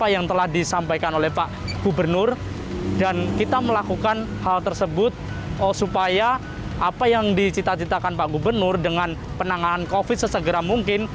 yang dicita citakan pak gubernur dengan penanganan covid sembilan belas sesegera mungkin